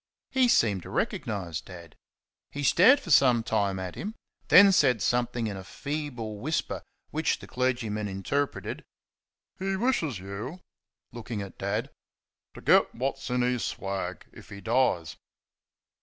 He seemed to recognise Dad. He stared for some time at him, then said something in a feeble whisper, which the clergyman interpreted "He wishes you " looking at Dad "to get what's in his swag if he dies."